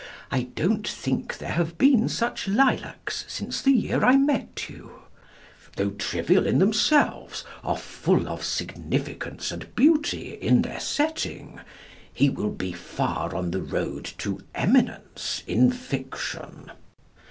I don't think there have been such lilacs since the year I met you," though trivial in themselves are full of significance and beauty in their setting he will be far on the road to eminence in fiction.